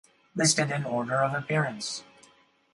Listed in order of appearance.